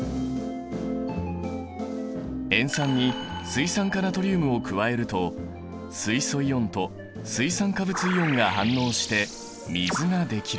塩酸に水酸化ナトリウムを加えると水素イオンと水酸化物イオンが反応して水ができる。